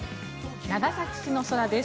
長崎市の空です。